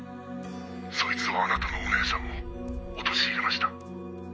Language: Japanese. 「そいつはあなたのお姉さんを陥れました」